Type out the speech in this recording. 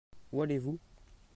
Où allez-vous ?